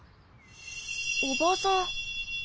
おばさん。